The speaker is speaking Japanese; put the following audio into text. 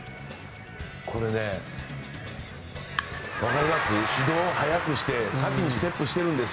これね、分かります？